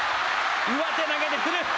上手投げで来る。